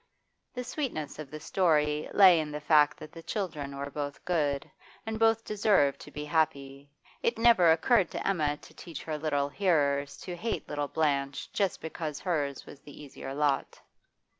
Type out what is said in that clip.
The sweetness of the story lay in the fact that the children were both good, and both deserved to be happy; it never occurred to Emma to teach her hearers to hate little Blanche just because hers was the easier lot.